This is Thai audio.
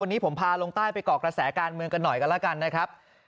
วันนี้ผมพาลงใต้ไปเกาะกระแสการเมืองกันหน่อยกันแล้วกันนะครับ